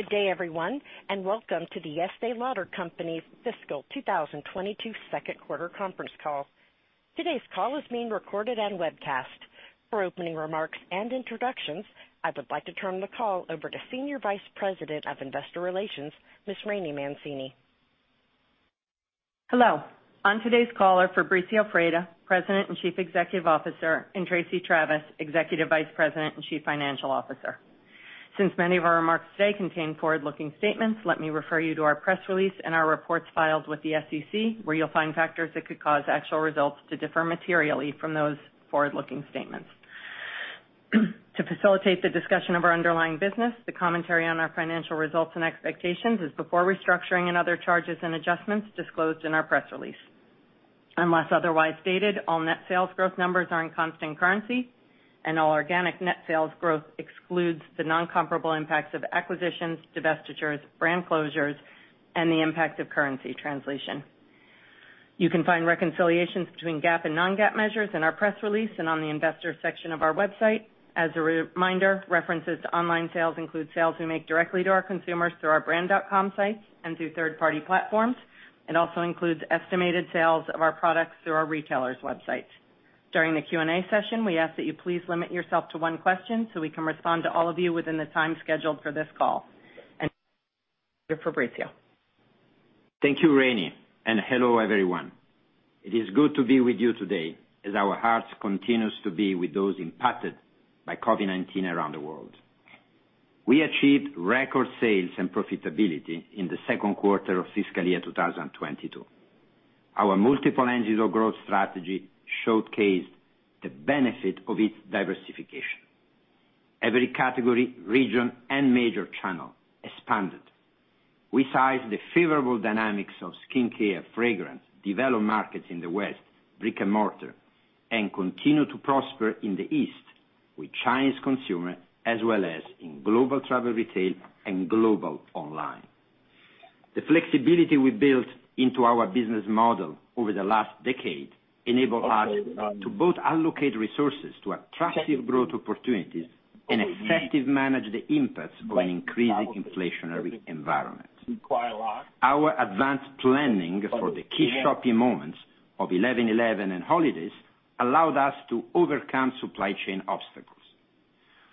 Good day, everyone, and welcome to The Estée Lauder Companies' fiscal 2022 second quarter conference call. Today's call is being recorded and webcast. For opening remarks and introductions, I would like to turn the call over to Senior Vice President of Investor Relations, Ms. Laraine Mancini. Hello. On today's call are Fabrizio Freda, President and Chief Executive Officer, and Tracey Travis, Executive Vice President and Chief Financial Officer. Since many of our remarks today contain forward-looking statements, let me refer you to our press release and our reports filed with the SEC, where you'll find factors that could cause actual results to differ materially from those forward-looking statements. To facilitate the discussion of our underlying business, the commentary on our financial results and expectations is before restructuring and other charges and adjustments disclosed in our press release. Unless otherwise stated, all net sales growth numbers are in constant currency, and all organic net sales growth excludes the non-comparable impacts of acquisitions, divestitures, brand closures, and the impact of currency translation. You can find reconciliations between GAAP and non-GAAP measures in our press release and on the investor section of our website. As a reminder, references to online sales include sales we make directly to our consumers through our brand.com sites and through third-party platforms. It also includes estimated sales of our products through our retailers' websites. During the Q&A session, we ask that you please limit yourself to one question, so we can respond to all of you within the time scheduled for this call. Here's Fabrizio. Thank you, Rainey, and hello, everyone. It is good to be with you today, as our hearts continues to be with those impacted by COVID-19 around the world. We achieved record sales and profitability in the second quarter of fiscal 2022. Our multiple engines of growth strategy showcased the benefit of its diversification. Every category, region, and major channel expanded. We seized the favorable dynamics of skincare, fragrance, developed markets in the West, brick-and-mortar, and continue to prosper in the East with Chinese consumer as well as in global travel retail and global online. The flexibility we built into our business model over the last decade enabled us to both allocate resources to attractive growth opportunities and effective manage the impacts of an increasing inflationary environment. Our advanced planning for the key shopping moments of 11.11 and holidays allowed us to overcome supply chain obstacles.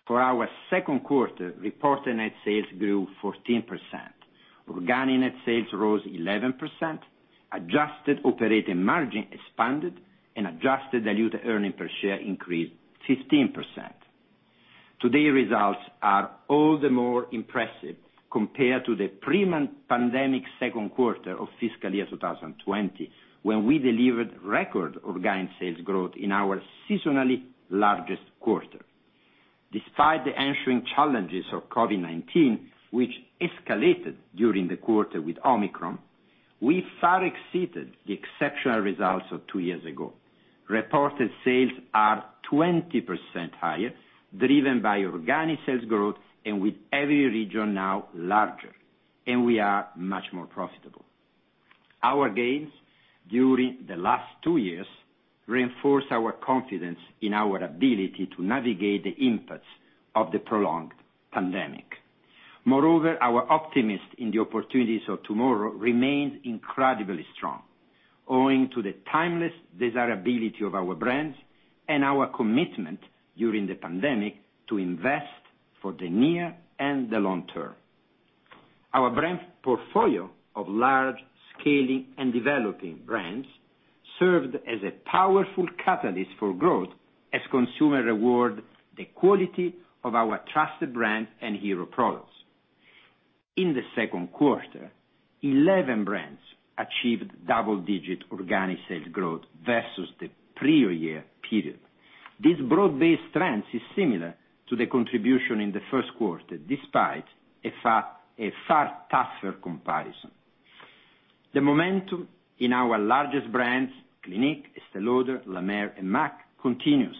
For our second quarter, reported net sales grew 14%. Organic net sales rose 11%, adjusted operating margin expanded, and adjusted diluted earnings per share increased 15%. Today's results are all the more impressive compared to the pre-pandemic second quarter of fiscal year 2020, when we delivered record organic sales growth in our seasonally largest quarter. Despite the ensuing challenges of COVID-19, which escalated during the quarter with Omicron, we far exceeded the exceptional results of 2 years ago. Reported sales are 20% higher, driven by organic sales growth and with every region now larger, and we are much more profitable. Our gains during the last 2 years reinforce our confidence in our ability to navigate the impacts of the prolonged pandemic. Moreover, our optimism in the opportunities of tomorrow remains incredibly strong, owing to the timeless desirability of our brands and our commitment during the pandemic to invest for the near and the long term. Our brand portfolio of large scaling and developing brands served as a powerful catalyst for growth as consumers rewarded the quality of our trusted brands and hero products. In the second quarter, 11 brands achieved double-digit organic sales growth versus the prior year period. This broad-based trend is similar to the contribution in the first quarter, despite a far tougher comparison. The momentum in our largest brands, Clinique, Estée Lauder, La Mer, and MAC, continues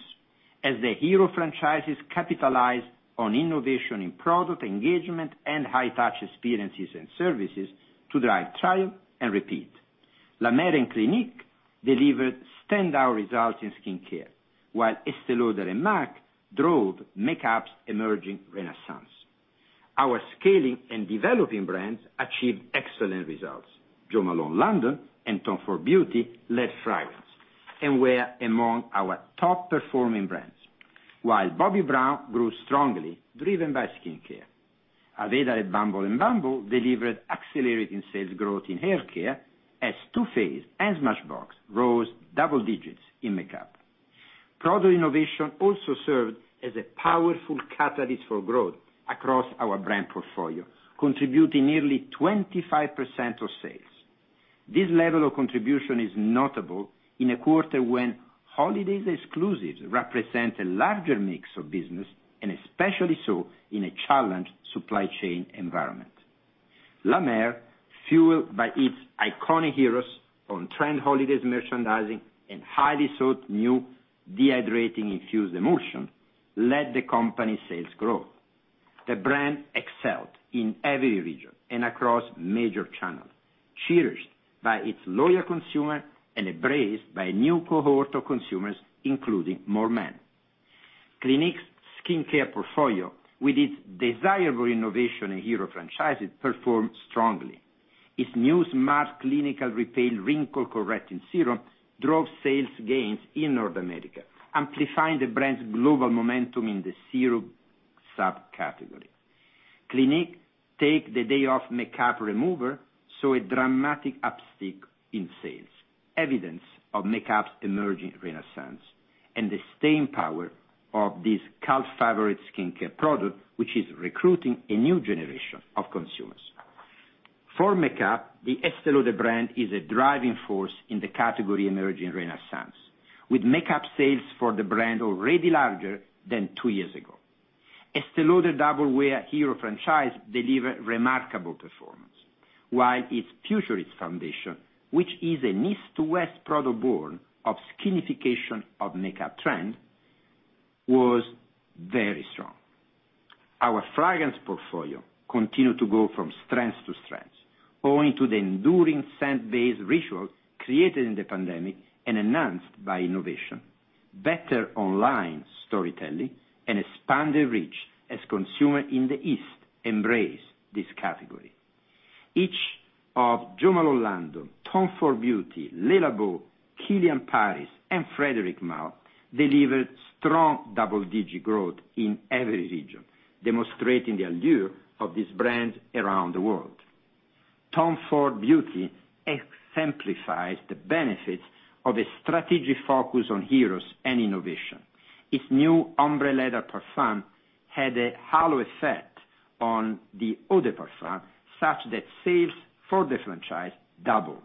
as the hero franchises capitalize on innovation in product engagement and high-touch experiences and services to drive trial and repeat. La Mer and Clinique delivered standout results in skincare, while Estée Lauder and MAC drove makeup's emerging renaissance. Our scaling and developing brands achieved excellent results. Jo Malone London and Tom Ford Beauty led fragrance and were among our top-performing brands. While Bobbi Brown grew strongly, driven by skincare. Aveda and Bumble and bumble delivered accelerated sales growth in hair care, as Too Faced and Smashbox rose double digits in makeup. Product innovation also served as a powerful catalyst for growth across our brand portfolio, contributing nearly 25% of sales. This level of contribution is notable in a quarter when holiday exclusives represent a larger mix of business, and especially so in a challenged supply chain environment. La Mer, fueled by its iconic heroes, on-trend holiday merchandising and highly sought new Hydrating Infused Emulsion, led the company's sales growth. The brand excelled in every region and across major channels. Cherished by its loyal consumer and embraced by a new cohort of consumers, including more men. Clinique's skincare portfolio with its desirable innovation in hero franchises performed strongly. Its new Smart Clinical Repair Wrinkle Correcting Serum drove sales gains in North America, amplifying the brand's global momentum in the serum subcategory. Clinique Take The Day Off Makeup Remover saw a dramatic uptick in sales, evidence of makeup's emerging renaissance and the staying power of this cult favorite skincare product, which is recruiting a new generation of consumers. For makeup, the Estée Lauder brand is a driving force in the category emerging renaissance, with makeup sales for the brand already larger than two years ago. Estée Lauder Double Wear hero franchise delivered remarkable performance, while its Futurist foundation, which is an east to west product born of skinification of makeup trend, was very strong. Our fragrance portfolio continued to go from strength to strength, owing to the enduring scent-based ritual created in the pandemic and enhanced by innovation, better online storytelling, and expanded reach as consumers in the East embrace this category. Each of Jo Malone London, Tom Ford Beauty, Le Labo, Kilian Paris, and Frédéric Malle delivered strong double-digit growth in every region, demonstrating the allure of these brands around the world. Tom Ford Beauty exemplifies the benefits of a strategic focus on heroes and innovation. Its new Ombré Leather parfum had a halo effect on the eau de parfum, such that sales for the franchise doubled.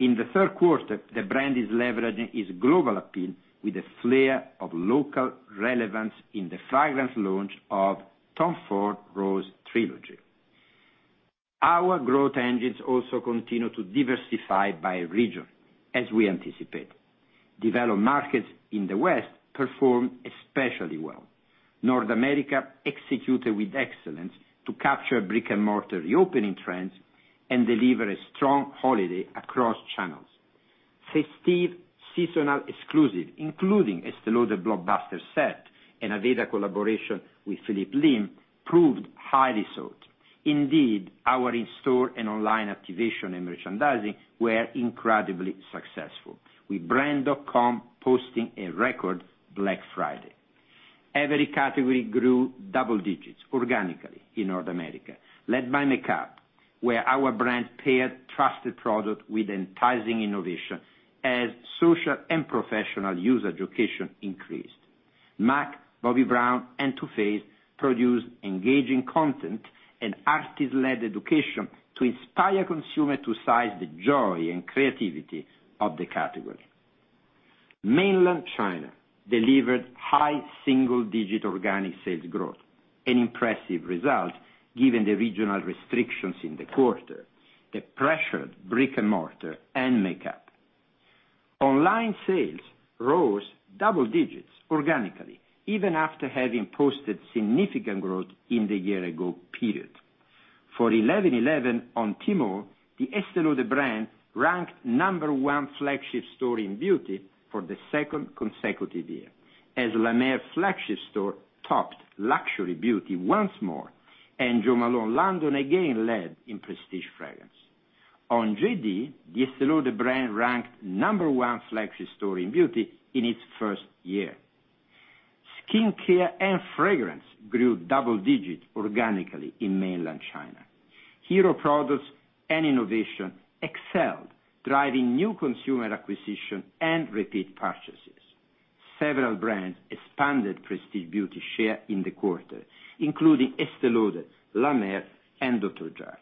In the third quarter, the brand is leveraging its global appeal with a flair of local relevance in the fragrance launch of Tom Ford Rose Trilogy. Our growth engines also continue to diversify by region, as we anticipated. Developed markets in the West performed especially well. North America executed with excellence to capture brick-and-mortar reopening trends and deliver a strong holiday across channels. Festive seasonal exclusive, including Estée Lauder blockbuster set and Aveda collaboration with Phillip Lim proved highly sought. Indeed, our in-store and online activation and merchandising were incredibly successful, with brand.com posting a record Black Friday. Every category grew double digits organically in North America, led by makeup, where our brand paired trusted product with enticing innovation as social and professional user education increased. MAC, Bobbi Brown, and Too Faced produced engaging content and artist-led education to inspire consumer to seize the joy and creativity of the category. Mainland China delivered high single-digit organic sales growth, an impressive result given the regional restrictions in the quarter that pressured brick-and-mortar and makeup. Online sales rose double digits organically, even after having posted significant growth in the year ago period. For 11.11 on Tmall, the Estée Lauder brand ranked number one flagship store in beauty for the second consecutive year, as La Mer flagship store topped luxury beauty once more, and Jo Malone London again led in prestige fragrance. On JD, the Estée Lauder brand ranked number one flagship store in beauty in its first year. Skincare and fragrance grew double digits organically in mainland China. Hero products and innovation excelled, driving new consumer acquisition and repeat purchases. Several brands expanded prestige beauty share in the quarter, including Estée Lauder, La Mer, and Dr. Jart+.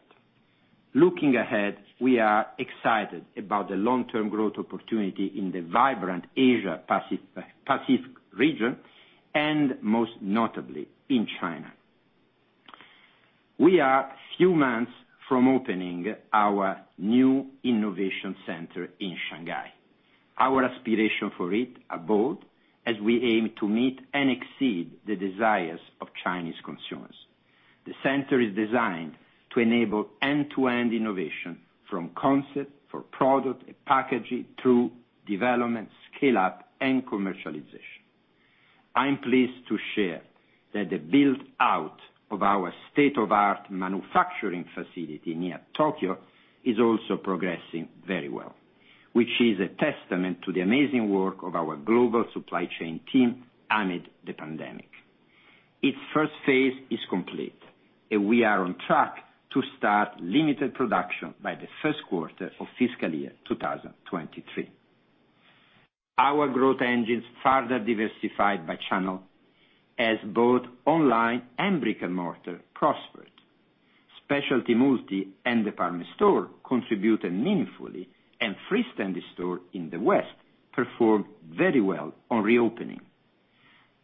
Looking ahead, we are excited about the long-term growth opportunity in the vibrant Asia-Pacific region, and most notably in China. We are a few months from opening our new innovation center in Shanghai. Our aspiration for it are bold as we aim to meet and exceed the desires of Chinese consumers. The center is designed to enable end-to-end innovation from concept for product and packaging through development, scale-up, and commercialization. I'm pleased to share that the build-out of our state-of-the-art manufacturing facility near Tokyo is also progressing very well, which is a testament to the amazing work of our global supply chain team amid the pandemic. Its first phase is complete, and we are on track to start limited production by the first quarter of fiscal year 2023. Our growth engines further diversified by channel as both online and brick-and-mortar prospered. Specialty multi and department store contributed meaningfully, and freestanding store in the West performed very well on reopening.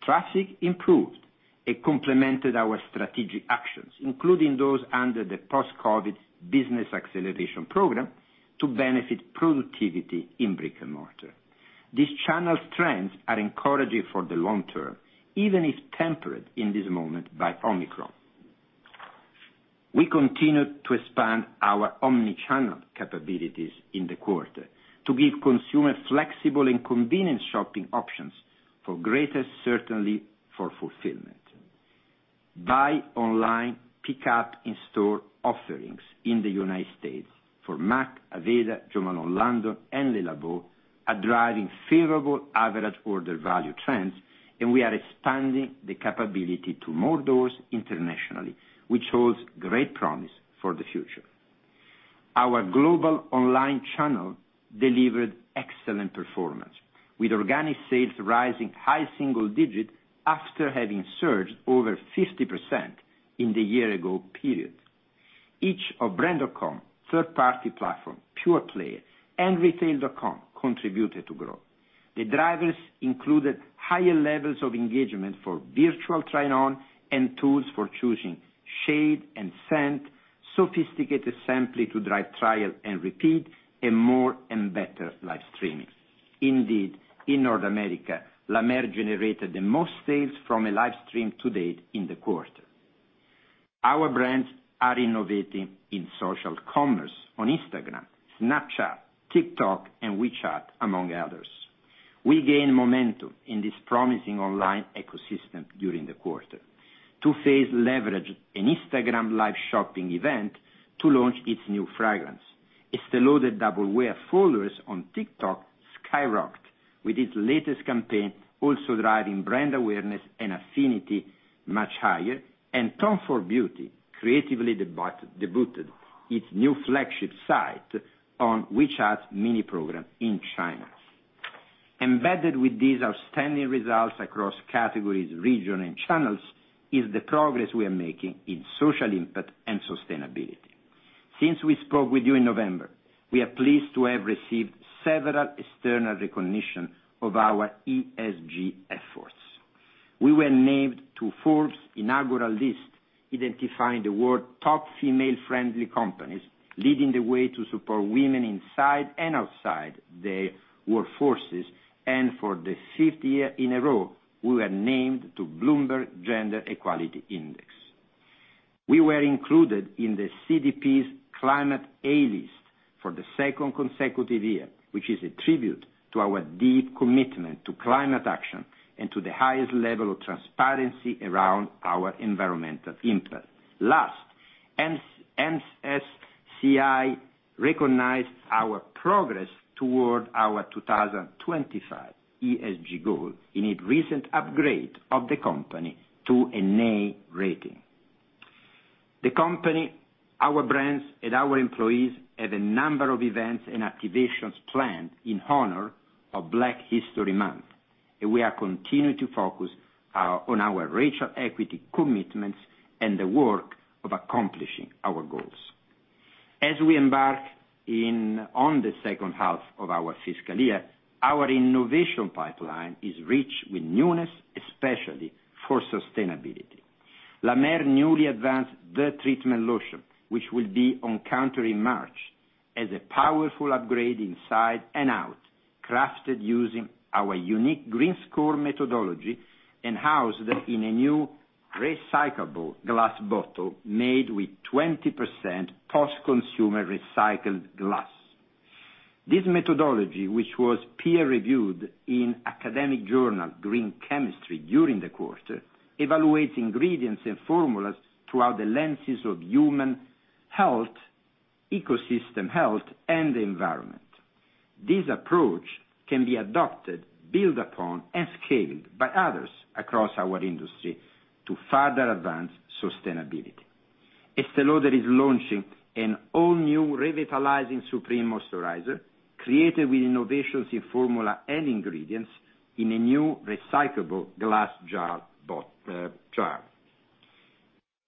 Traffic improved. It complemented our strategic actions, including those under the Post-COVID Business Acceleration Program to benefit productivity in brick-and-mortar. These channel strengths are encouraging for the long term, even if tempered in this moment by Omicron. We continued to expand our omni-channel capabilities in the quarter to give consumers flexible and convenient shopping options for greater certainty for fulfillment. Buy online, pick up in-store offerings in the United States for MAC, Aveda, Jo Malone London, and Le Labo are driving favorable average order value trends, and we are expanding the capability to more doors internationally, which holds great promise for the future. Our global online channel delivered excellent performance, with organic sales rising high single digit after having surged over 50% in the year ago period. Each of brand.com, third-party platform, pure play, and retail.com contributed to growth. The drivers included higher levels of engagement for virtual try-on and tools for choosing shade and scent, sophisticated sampling to drive trial and repeat, and more and better live streaming. Indeed, in North America, La Mer generated the most sales from a live stream to date in the quarter. Our brands are innovating in social commerce on Instagram, Snapchat, TikTok, and WeChat, among others. We gained momentum in this promising online ecosystem during the quarter. Too Faced leveraged an Instagram Live shopping event to launch its new fragrance. Estée Lauder Double Wear followers on TikTok skyrocketed, with its latest campaign also driving brand awareness and affinity much higher. Tom Ford Beauty creatively debuted its new flagship site on WeChat Mini Program in China. Embedded with these outstanding results across categories, region, and channels is the progress we are making in social impact and sustainability. Since we spoke with you in November, we are pleased to have received several external recognition of our ESG efforts. We were named to Forbes' inaugural list, identifying the world's top female-friendly companies, leading the way to support women inside and outside the workforce. For the 5th year in a row, we were named to the Bloomberg Gender-Equality Index. We were included in the CDP's Climate A List for the second consecutive year, which is a tribute to our deep commitment to climate action and to the highest level of transparency around our environmental impact. Last, MSCI recognized our progress toward our 2025 ESG goal in its recent upgrade of the company to an A rating. The company, our brands, and our employees have a number of events and activations planned in honor of Black History Month, and we are continuing to focus on our racial equity commitments and the work of accomplishing our goals. As we embark on the second half of our fiscal year, our innovation pipeline is rich with newness, especially for sustainability. La Mer newly advanced The Treatment Lotion, which will be on counter in March, as a powerful upgrade inside and out, crafted using our unique Green Score methodology and housed in a new recyclable glass bottle made with 20% post-consumer recycled glass. This methodology, which was peer-reviewed in academic journal Green Chemistry during the quarter, evaluates ingredients and formulas through the lenses of human health, ecosystem health, and the environment. This approach can be adopted, built upon, and scaled by others across our industry to further advance sustainability. Estée Lauder is launching an all-new Revitalizing Supreme+ moisturizer created with innovations in formula and ingredients in a new recyclable glass jar.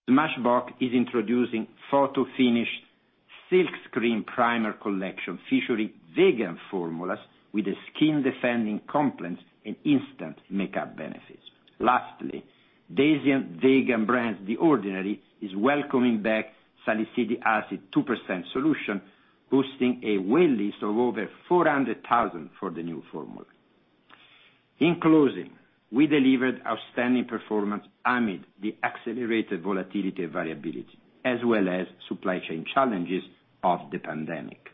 Smashbox is introducing Photo Finish Silkscreen Primer collection, featuring vegan formulas with a skin-defending complex and instant makeup benefits. Lastly, Deciem vegan brand The Ordinary is welcoming back Salicylic Acid 2% Solution, boosting a wait list of over 400,000 for the new formula. In closing, we delivered outstanding performance amid the accelerated volatility variability as well as supply chain challenges of the pandemic.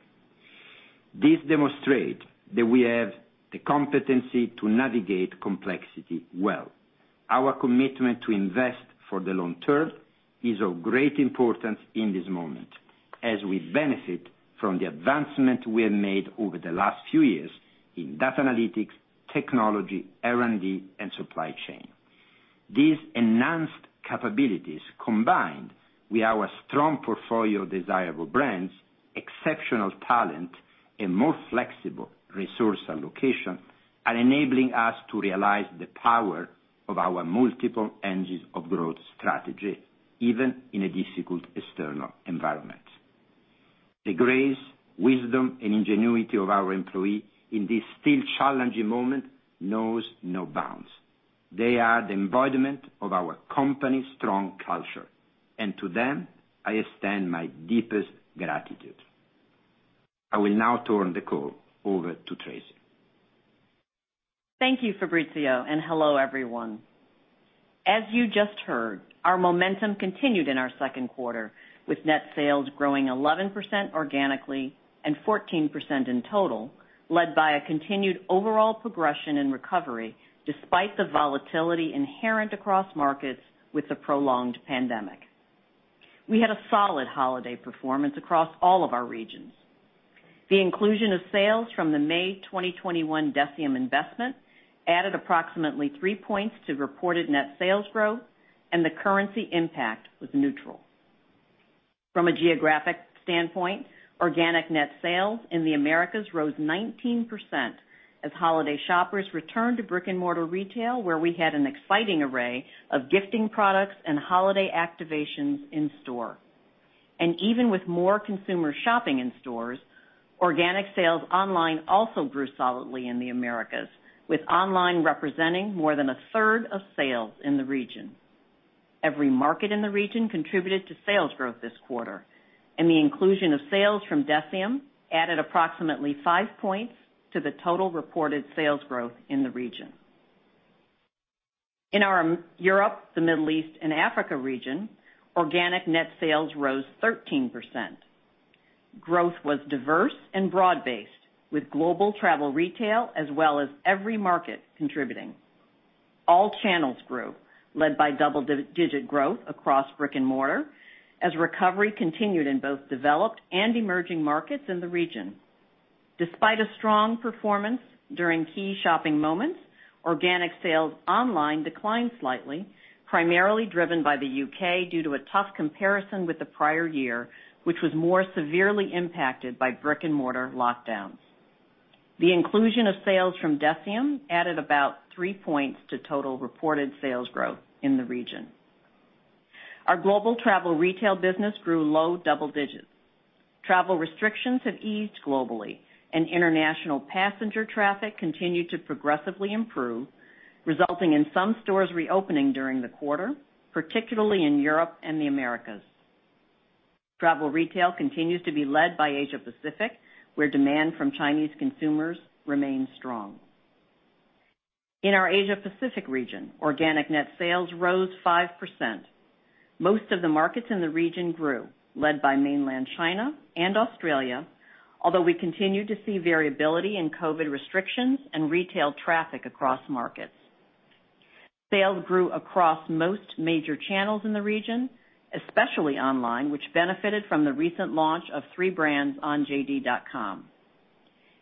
This demonstrate that we have the competency to navigate complexity well. Our commitment to invest for the long term is of great importance in this moment as we benefit from the advancement we have made over the last few years in data analytics, technology, R&D, and supply chain. These enhanced capabilities, combined with our strong portfolio of desirable brands, exceptional talent, and more flexible resource allocation, are enabling us to realize the power of our multiple engines of growth strategy, even in a difficult external environment. The grace, wisdom, and ingenuity of our employees in this still challenging moment know no bounds. They are the embodiment of our company's strong culture, and to them, I extend my deepest gratitude. I will now turn the call over to Tracey. Thank you, Fabrizio, and hello, everyone. As you just heard, our momentum continued in our second quarter with net sales growing 11% organically and 14% in total, led by a continued overall progression and recovery despite the volatility inherent across markets with the prolonged pandemic. We had a solid holiday performance across all of our regions. The inclusion of sales from the May 2021 Deciem investment added approximately three points to reported net sales growth, and the currency impact was neutral. From a geographic standpoint, organic net sales in the Americas rose 19% as holiday shoppers returned to brick-and-mortar retail, where we had an exciting array of gifting products and holiday activations in store. Even with more consumer shopping in stores, organic sales online also grew solidly in the Americas, with online representing more than a third of sales in the region. Every market in the region contributed to sales growth this quarter, and the inclusion of sales from Deciem added approximately five points to the total reported sales growth in the region. In our Europe, the Middle East, and Africa region, organic net sales rose 13%. Growth was diverse and broad-based with global travel retail as well as every market contributing. All channels grew, led by double-digit growth across brick and mortar as recovery continued in both developed and emerging markets in the region. Despite a strong performance during key shopping moments, organic sales online declined slightly, primarily driven by the U.K. due to a tough comparison with the prior year, which was more severely impacted by brick-and-mortar lockdowns. The inclusion of sales from Deciem added about three points to total reported sales growth in the region. Our global travel retail business grew low double digits. Travel restrictions have eased globally, and international passenger traffic continued to progressively improve, resulting in some stores reopening during the quarter, particularly in Europe and the Americas. Travel retail continues to be led by Asia Pacific, where demand from Chinese consumers remains strong. In our Asia Pacific region, organic net sales rose 5%. Most of the markets in the region grew, led by Mainland China and Australia, although we continue to see variability in COVID restrictions and retail traffic across markets. Sales grew across most major channels in the region, especially online, which benefited from the recent launch of three brands on jd.com.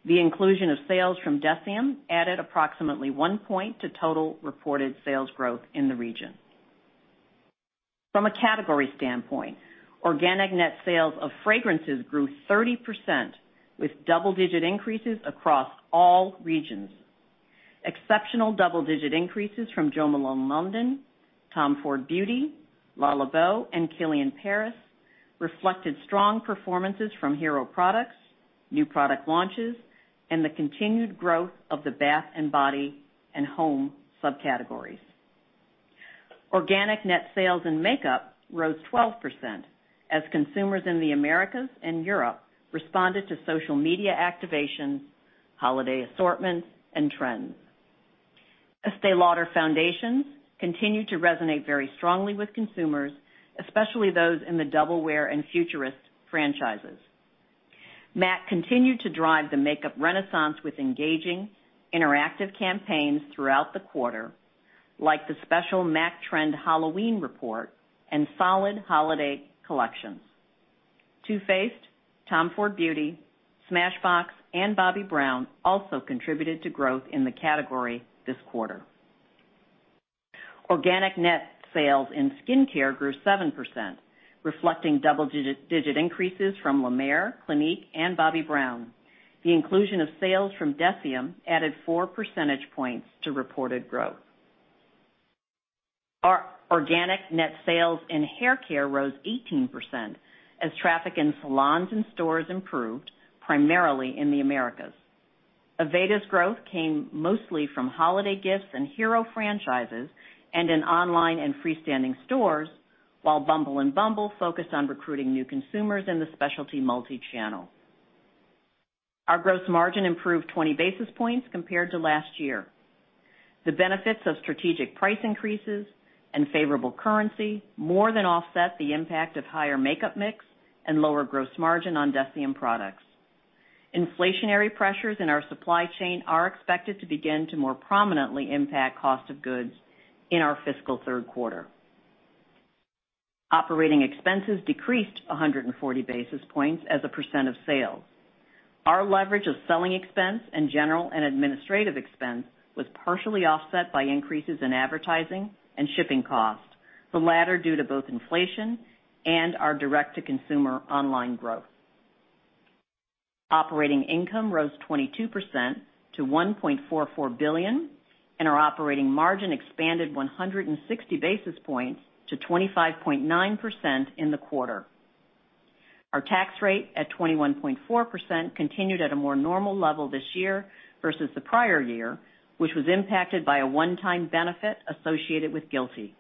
The inclusion of sales from Deciem added approximately one point to total reported sales growth in the region. From a category standpoint, organic net sales of fragrances grew 30% with double-digit increases across all regions. Exceptional double-digit increases from Jo Malone London, Tom Ford Beauty, Le Labo, and Kilian Paris reflected strong performances from hero products, new product launches, and the continued growth of the bath and body and home subcategories. Organic net sales in makeup rose 12% as consumers in the Americas and Europe responded to social media activations, holiday assortments, and trends. Estée Lauder foundations continued to resonate very strongly with consumers, especially those in the Double Wear and Futurist franchises. MAC continued to drive the makeup renaissance with engaging interactive campaigns throughout the quarter, like the special MAC Trend Halloween Report and solid holiday collections. Too Faced, Tom Ford Beauty, Smashbox, and Bobbi Brown also contributed to growth in the category this quarter. Organic net sales in skincare grew 7%, reflecting double-digit increases from La Mer, Clinique, and Bobbi Brown. The inclusion of sales from Deciem added 4 percentage points to reported growth. Our organic net sales in haircare rose 18% as traffic in salons and stores improved, primarily in the Americas. Aveda's growth came mostly from holiday gifts and hero franchises and in online and freestanding stores, while Bumble & Bumble focused on recruiting new consumers in the specialty multi-channel. Our gross margin improved 20 basis points compared to last year. The benefits of strategic price increases and favorable currency more than offset the impact of higher makeup mix and lower gross margin on Deciem products. Inflationary pressures in our supply chain are expected to begin to more prominently impact cost of goods in our fiscal third quarter. Operating expenses decreased 140 basis points as a percent of sales. Our leverage of selling expense and general and administrative expense was partially offset by increases in advertising and shipping costs, the latter due to both inflation and our direct-to-consumer online growth. Operating income rose 22% to $1.44 billion, and our operating margin expanded 160 basis points to 25.9% in the quarter. Our tax rate at 21.4% continued at a more normal level this year versus the prior year, which was impacted by a one-time benefit associated with GILTI.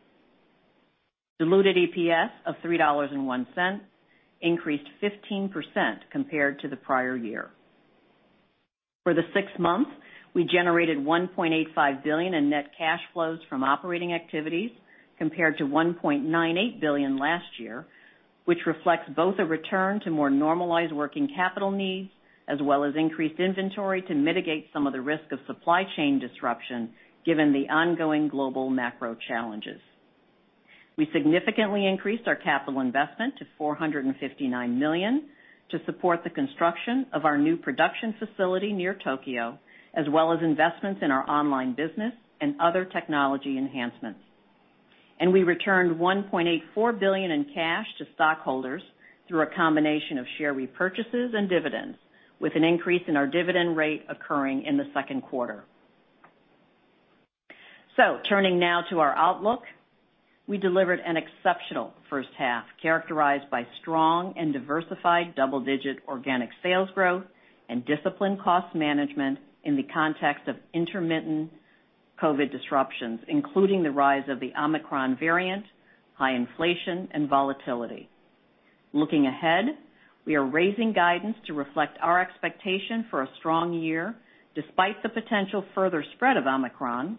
Diluted EPS of $3.01 increased 15% compared to the prior year. For the six months, we generated $1.85 billion in net cash flows from operating activities compared to $1.98 billion last year, which reflects both a return to more normalized working capital needs as well as increased inventory to mitigate some of the risk of supply chain disruption given the ongoing global macro challenges. We significantly increased our capital investment to $459 million to support the construction of our new production facility near Tokyo, as well as investments in our online business and other technology enhancements. We returned $1.84 billion in cash to stockholders through a combination of share repurchases and dividends, with an increase in our dividend rate occurring in the second quarter. Turning now to our outlook. We delivered an exceptional first half, characterized by strong and diversified double-digit organic sales growth and disciplined cost management in the context of intermittent COVID disruptions, including the rise of the Omicron variant, high inflation and volatility. Looking ahead, we are raising guidance to reflect our expectation for a strong year despite the potential further spread of Omicron,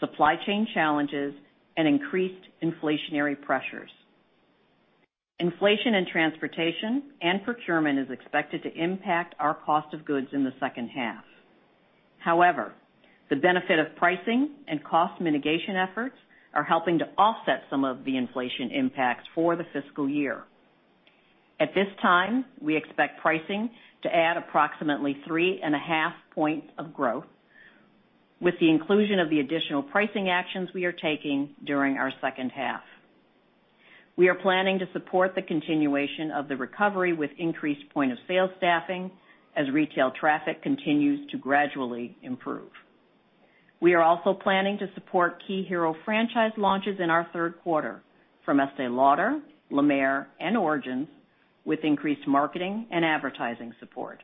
supply chain challenges and increased inflationary pressures. Inflation in transportation and procurement is expected to impact our cost of goods in the second half. However, the benefit of pricing and cost mitigation efforts are helping to offset some of the inflation impact for the fiscal year. At this time, we expect pricing to add approximately 3.5 points of growth with the inclusion of the additional pricing actions we are taking during our second half. We are planning to support the continuation of the recovery with increased point of sale staffing as retail traffic continues to gradually improve. We are also planning to support key hero franchise launches in our third quarter from Estée Lauder, La Mer and Origins, with increased marketing and advertising support.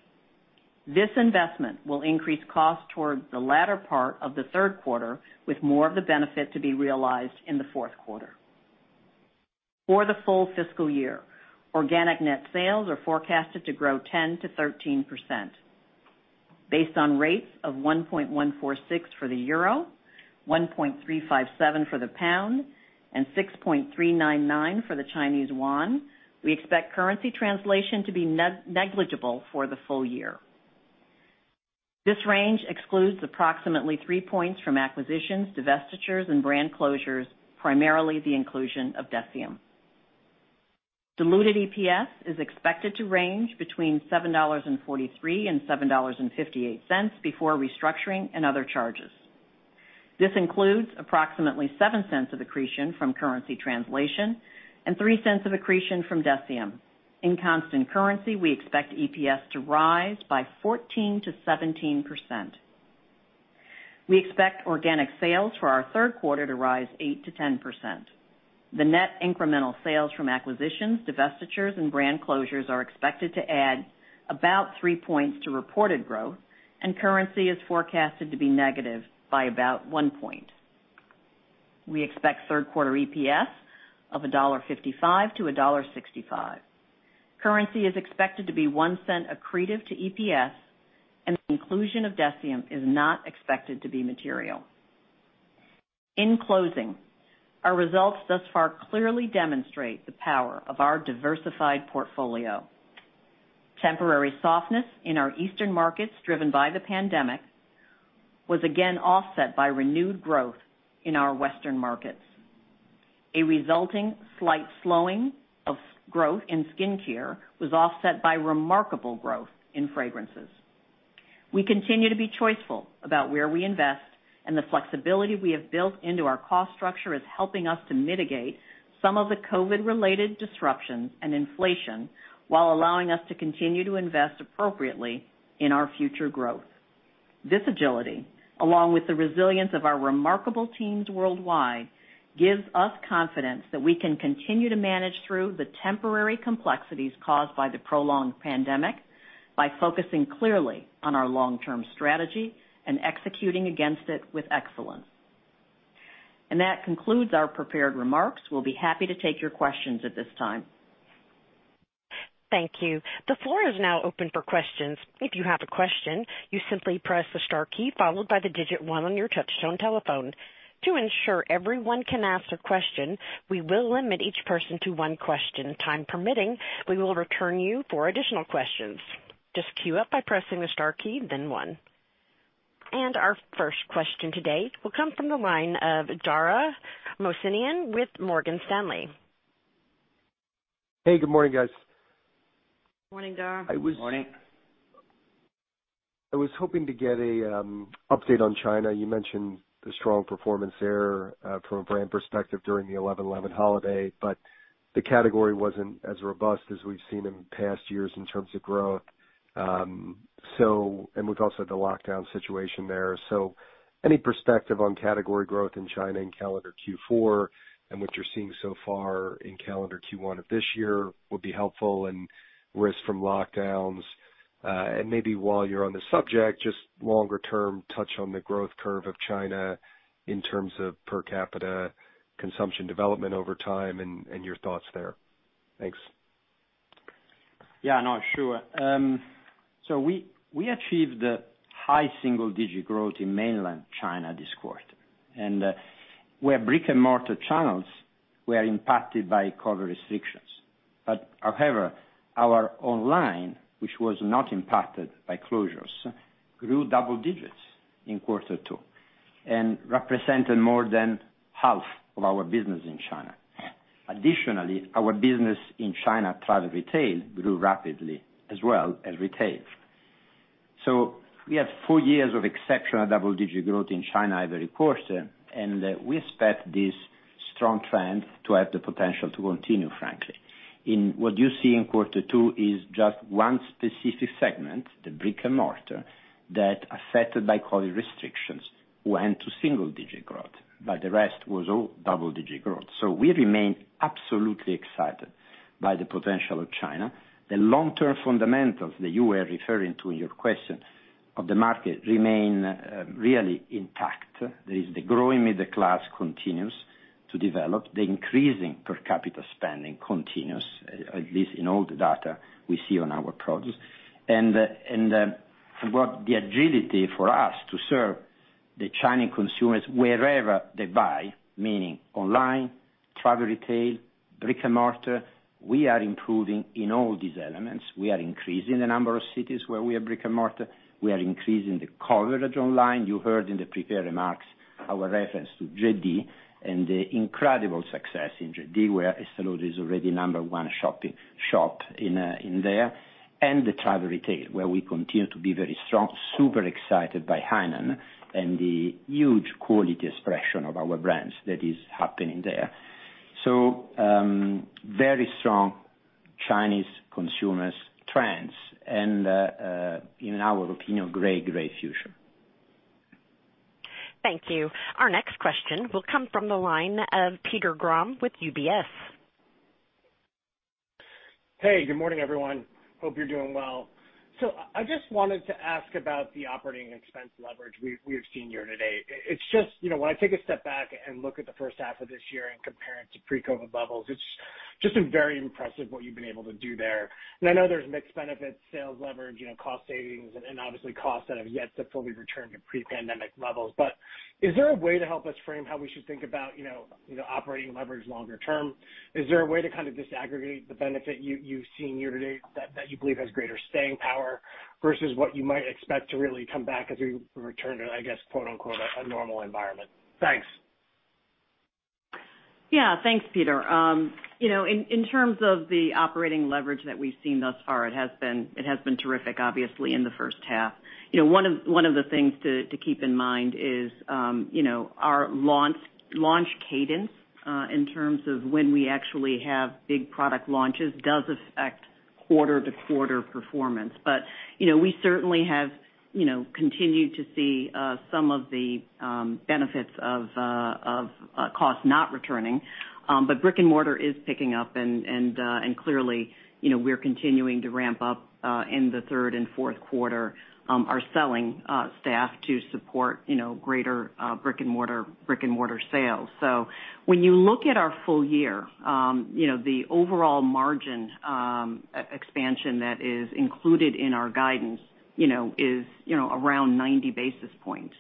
This investment will increase costs toward the latter part of the third quarter, with more of the benefit to be realized in the fourth quarter. For the full fiscal year, organic net sales are forecasted to grow 10%-13%. Based on rates of 1.146 for the euro, 1.357 for the pound and 6.399 for the Chinese yuan, we expect currency translation to be negligible for the full year. This range excludes approximately three points from acquisitions, divestitures and brand closures, primarily the inclusion of Deciem. Diluted EPS is expected to range between $7.43 and $7.58 before restructuring and other charges. This includes approximately 7 cents of accretion from currency translation and 3 cents of accretion from Deciem. In constant currency, we expect EPS to rise by 14%-17%. We expect organic sales for our third quarter to rise 8%-10%. The net incremental sales from acquisitions, divestitures and brand closures are expected to add about 3 points to reported growth, and currency is forecasted to be negative by about 1 point. We expect third quarter EPS of $1.55-$1.65. Currency is expected to be 1 cent accretive to EPS and the inclusion of Deciem is not expected to be material. In closing, our results thus far clearly demonstrate the power of our diversified portfolio. Temporary softness in our eastern markets driven by the pandemic was again offset by renewed growth in our western markets. A resulting slight slowing of growth in skincare was offset by remarkable growth in fragrances. We continue to be choiceful about where we invest, and the flexibility we have built into our cost structure is helping us to mitigate some of the COVID-related disruptions and inflation while allowing us to continue to invest appropriately in our future growth. This agility, along with the resilience of our remarkable teams worldwide, gives us confidence that we can continue to manage through the temporary complexities caused by the prolonged pandemic by focusing clearly on our long-term strategy and executing against it with excellence. That concludes our prepared remarks. We'll be happy to take your questions at this time. Thank you. The floor is now open for questions. If you have a question, you simply press the star key followed by the digit one on your touchtone telephone. To ensure everyone can ask a question, we will limit each person to one question. Time permitting, we will return to you for additional questions. Just queue up by pressing the star key, then one. Our first question today will come from the line of Dara Mohsenian with Morgan Stanley. Hey, good morning, guys. Morning, Dara. I was- Good morning. I was hoping to get a update on China. You mentioned the strong performance there from a brand perspective during the 11.11 holiday, but the category wasn't as robust as we've seen in past years in terms of growth, and with the lockdown situation there also. Any perspective on category growth in China in calendar Q4 and what you're seeing so far in calendar Q1 of this year would be helpful, and risk from lockdowns. Maybe while you're on the subject, just longer term, touch on the growth curve of China in terms of per capita consumption development over time and your thoughts there. Thanks. Yeah, no, sure. We achieved high single-digit growth in mainland China this quarter where brick-and-mortar channels were impacted by COVID restrictions. However, our online, which was not impacted by closures, grew double digits in quarter two and represented more than half of our business in China. Additionally, our business in China travel retail grew rapidly as well as retail. We had four years of exceptional double-digit growth in China every quarter, and we expect this strong trend to have the potential to continue, frankly. In what you see in quarter two is just one specific segment, the brick-and-mortar, that affected by COVID restrictions, went to single-digit growth, but the rest was all double-digit growth. We remain absolutely excited by the potential of China. The long-term fundamentals that you were referring to in your question of the market remain really intact. That is, the growing middle class continues to develop, the increasing per capita spending continues, at least in all the data we see on our products. The agility for us to serve the Chinese consumers wherever they buy, meaning online, travel retail, brick-and-mortar. We are improving in all these elements. We are increasing the number of cities where we have brick-and-mortar. We are increasing the coverage online. You heard in the prepared remarks our reference to JD and the incredible success in JD, where Estée Lauder is already number one shop in there, and the travel retail, where we continue to be very strong. Super excited by Hainan and the huge quality expression of our brands that is happening there. Very strong Chinese consumers trends and in our opinion, great future. Thank you. Our next question will come from the line of Peter Grom with UBS. Hey, good morning, everyone. Hope you're doing well. I just wanted to ask about the operating expense leverage we've seen year to date. It's just, you know, when I take a step back and look at the first half of this year and compare it to pre-COVID levels, it's just been very impressive what you've been able to do there. I know there's mixed benefits, sales leverage, you know, cost savings, and obviously costs that have yet to fully return to pre-pandemic levels. Is there a way to help us frame how we should think about, you know, operating leverage longer term? Is there a way to kind of disaggregate the benefit you've seen year to date that you believe has greater staying power versus what you might expect to really come back as we return to, I guess, quote-unquote, "a normal environment?" Thanks. Yeah. Thanks, Peter. You know, in terms of the operating leverage that we've seen thus far, it has been terrific, obviously, in the first half. You know, one of the things to keep in mind is, you know, our launch cadence in terms of when we actually have big product launches does affect quarter-to-quarter performance. You know, we certainly have continued to see some of the benefits of costs not returning. Brick-and-mortar is picking up and clearly, you know, we're continuing to ramp up in the third and fourth quarter our selling staff to support greater brick-and-mortar sales. When you look at our full year, you know, the overall margin expansion that is included in our guidance, you know, is, you know, around 90 basis points.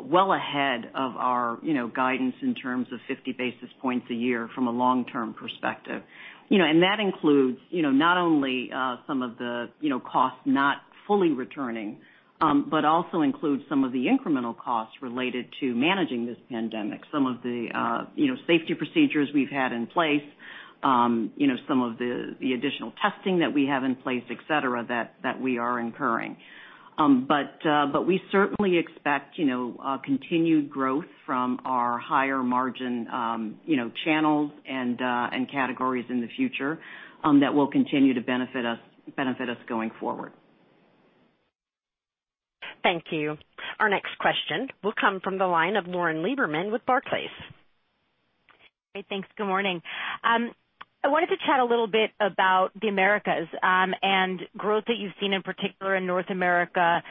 Well ahead of our, you know, guidance in terms of 50 basis points a year from a long-term perspective. You know, and that includes, you know, not only some of the, you know, costs not fully returning, but also includes some of the incremental costs related to managing this pandemic. Some of the, you know, safety procedures we've had in place, you know, some of the additional testing that we have in place, et cetera, that we are incurring. We certainly expect, you know, continued growth from our higher margin, you know, channels and categories in the future that will continue to benefit us going forward. Thank you. Our next question will come from the line of Lauren Lieberman with Barclays. Great. Thanks. Good morning. I wanted to chat a little bit about the Americas, and growth that you've seen, in particular in North America,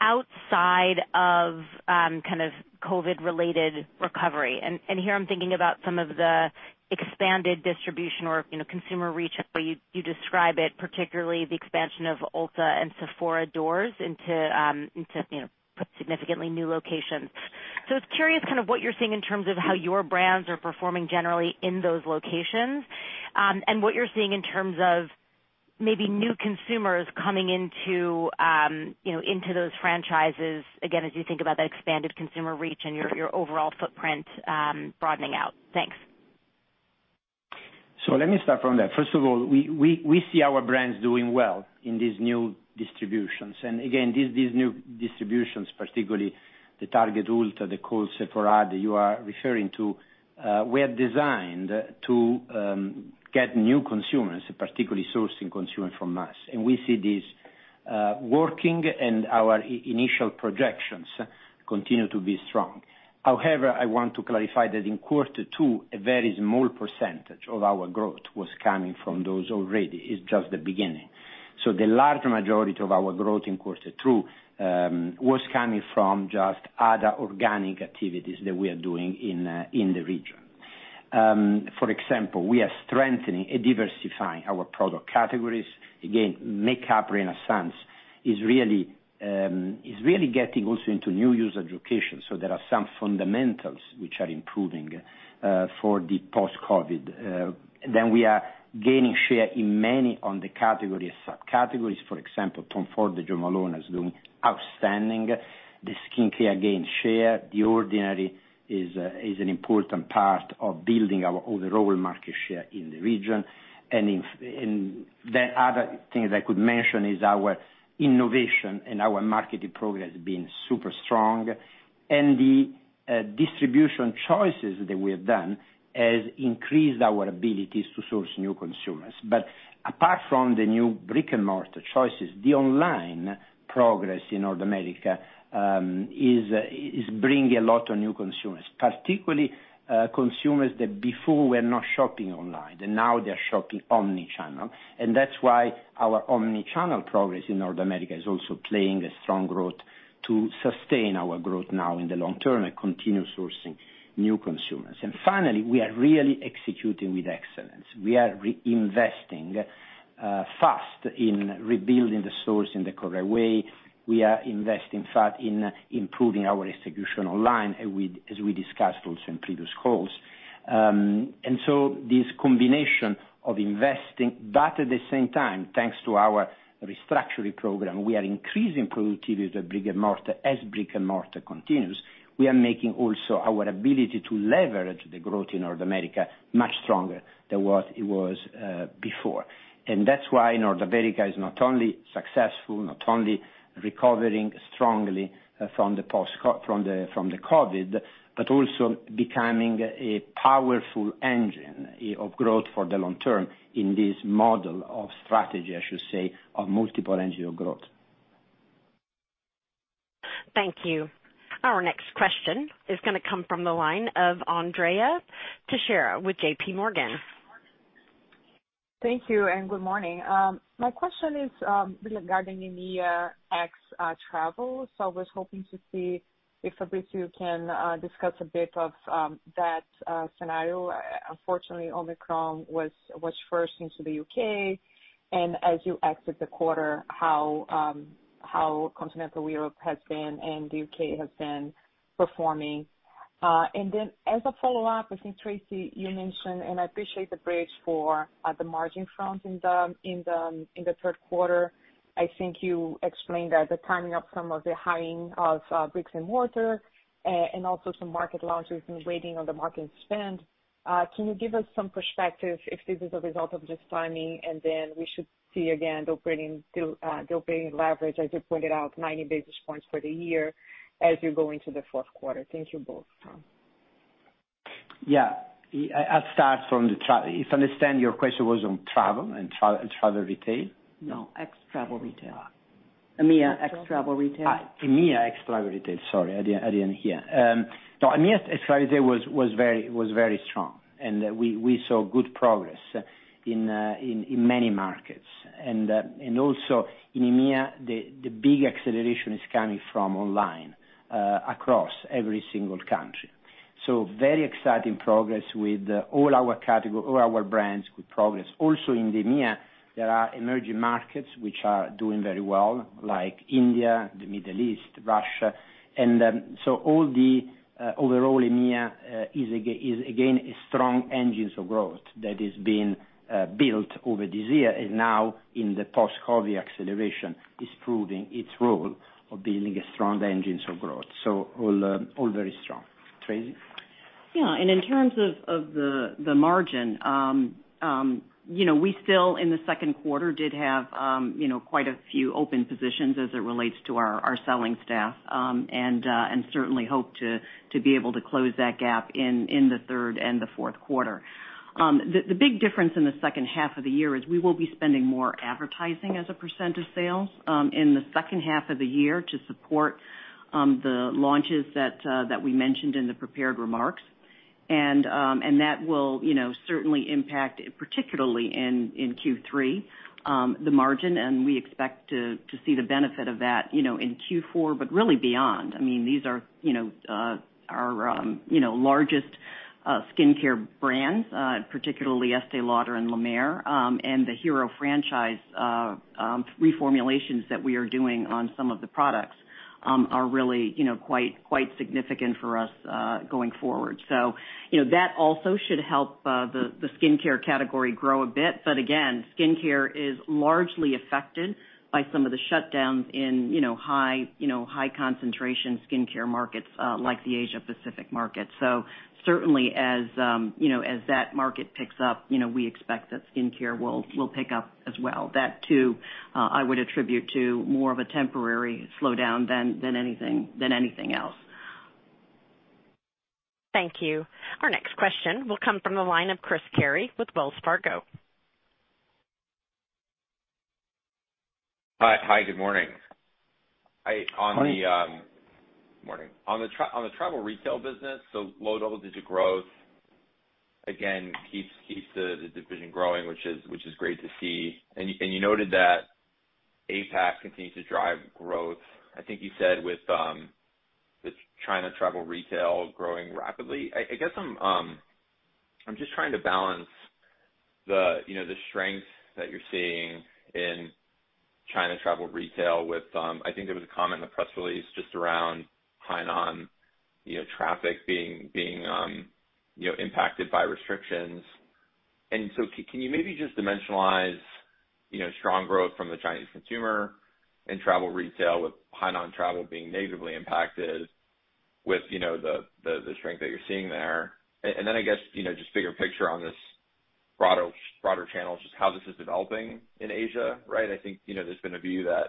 outside of kind of COVID-related recovery. Here I'm thinking about some of the expanded distribution or, you know, consumer reach, how you describe it, particularly the expansion of Ulta and Sephora doors into significantly new locations. I was curious kind of what you're seeing in terms of how your brands are performing generally in those locations, and what you're seeing in terms of maybe new consumers coming into, you know, those franchises, again, as you think about that expanded consumer reach and your overall footprint broadening out. Thanks. Let me start from that. First of all, we see our brands doing well in these new distributions. Again, these new distributions, particularly the Target, Ulta, the Kohl's, Sephora that you are referring to, were designed to get new consumers, particularly sourcing consumers from us. We see this working and our initial projections continue to be strong. However, I want to clarify that in quarter two, a very small % of our growth was coming from those already, it's just the beginning. The larger majority of our growth in quarter two was coming from just other organic activities that we are doing in the region. For example, we are strengthening and diversifying our product categories. Again, makeup, in a sense, is really getting also into new user education, so there are some fundamentals which are improving for the post-COVID. We are gaining share in many of the categories, subcategories, for example, Tom Ford and Jo Malone is doing outstanding. The skincare is gaining share, The Ordinary is an important part of building our overall market share in the region. In the other things I could mention is our innovation and our marketing program has been super strong. The distribution choices that we have done has increased our abilities to source new consumers. Apart from the new brick-and-mortar choices, the online progress in North America is bringing a lot of new consumers, particularly consumers that before were not shopping online, and now they're shopping omni-channel. That's why our omni-channel progress in North America is also driving strong growth to sustain our growth now in the long term and continue sourcing new consumers. Finally, we are really executing with excellence. We are re-investing fast in rebuilding the stores in the correct way. We are investing fast in improving our execution online, we as we discussed also in previous calls. This combination of investing, but at the same time, thanks to our restructuring program, we are increasing productivity with brick-and-mortar as brick-and-mortar continues. We are making also our ability to leverage the growth in North America much stronger than what it was before. That's why North America is not only successful, not only recovering strongly from the COVID, but also becoming a powerful engine of growth for the long term in this model of strategy, I should say, of multiple engine of growth. Thank you. Our next question is gonna come from the line of Andrea Teixeira with JPMorgan. Thank you, and good morning. My question is regarding EMEA ex travel. I was hoping to see if Fabrizio can discuss a bit of that scenario. Unfortunately, Omicron was first into the U.K., and as you exit the quarter, how Continental Europe has been and the U.K. has been performing. As a follow-up, I think Tracey, you mentioned, and I appreciate the bridge for the margin front in the third quarter. I think you explained that the timing of some of the hiring of bricks and mortar, and also some market launches and waiting on the market spend. Can you give us some perspective if this is a result of just timing, and then we should see again the operating leverage, as you pointed out, 90 basis points for the year as you go into the fourth quarter? Thank you both. Yeah. If I understand, your question was on travel and travel retail? No, ex travel retail. EMEA ex travel retail. EMEA ex travel retail. Sorry, I didn't hear. No, EMEA ex travel retail was very strong, and we saw good progress in many markets. Also in EMEA, the big acceleration is coming from online across every single country. Very exciting progress with all our category, all our brands with progress. Also in EMEA, there are emerging markets which are doing very well, like India, the Middle East, Russia. Overall EMEA is again a strong engines of growth that is being built over this year, and now in the post-COVID acceleration is proving its role of building a strong engines of growth. All very strong. Tracey? In terms of the margin, you know, we still in the second quarter did have you know quite a few open positions as it relates to our selling staff, and certainly hope to be able to close that gap in the third and fourth quarter. The big difference in the second half of the year is we will be spending more advertising as a % of sales in the second half to support the launches that we mentioned in the prepared remarks. That will you know certainly impact, particularly in Q3, the margin, and we expect to see the benefit of that you know in Q4, but really beyond. I mean, these are, you know, our largest skincare brands, particularly Estée Lauder and La Mer, and the Hero franchise, reformulations that we are doing on some of the products, are really, you know, quite significant for us, going forward. That also should help the skincare category grow a bit. Again, skincare is largely affected by some of the shutdowns in, you know, high concentration skincare markets, like the Asia Pacific market. Certainly as that market picks up, you know, we expect that skincare will pick up as well. That too I would attribute to more of a temporary slowdown than anything else. Thank you. Our next question will come from the line of Christopher Carey with Wells Fargo. Hi. Good morning. Morning. On the travel retail business, low double digit growth keeps the division growing, which is great to see. You noted that APAC continues to drive growth. I think you said with the China travel retail growing rapidly. I guess I'm just trying to balance the strength that you're seeing in China travel retail with, I think there was a comment in the press release just around Hainan traffic being impacted by restrictions. Can you maybe just dimensionalize strong growth from the Chinese consumer in travel retail with Hainan travel being negatively impacted with the strength that you're seeing there? Then I guess, you know, just bigger picture on this broader channels, just how this is developing in Asia, right? I think, you know, there's been a view that